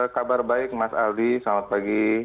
kabar baik mas aldi selamat pagi